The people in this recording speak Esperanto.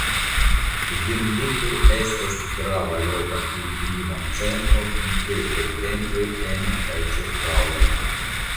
Hindupur estas grava loka pilgrima centro kun kelkaj temploj ene kaj ĉirkaŭe.